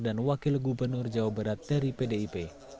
dan wakil gubernur jawa barat dari pdip